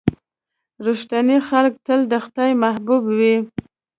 • رښتیني خلک تل د خدای محبوب وي.